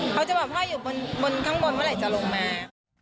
เขาจะบอกพ่ออยู่บนข้างบนเมื่อไหร่จะลงมา